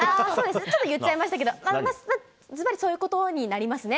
ちょっと言っちゃいましたけど、ずばり、そういうことになりますね。